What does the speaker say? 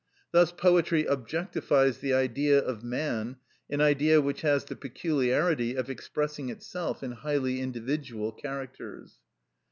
Thus poetry objectifies the Idea of man, an Idea which has the peculiarity of expressing itself in highly individual characters.